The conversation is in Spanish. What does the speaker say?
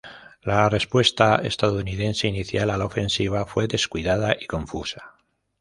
La respuesta estadounidense inicial a la ofensiva fue descuidada y confusa.